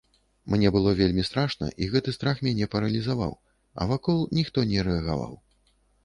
Мне было вельмі страшна, і гэты страх мяне паралізаваў, а вакол ніхто не рэагаваў.